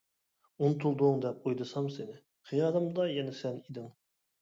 ئۇنتۇلدۇڭ دەپ ئويلىسام سېنى، خىيالىمدا يەنە سەن ئىدىڭ.